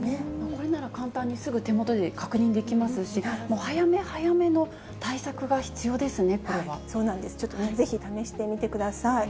これなら簡単に、手元ですぐ確認できますし、早め早めの対策が必要ですね、そうなんです、ちょっとね、ぜひ試してみてください。